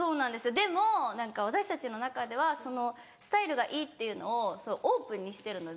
でも私たちの中ではそのスタイルがいいっていうのをオープンにしてるので。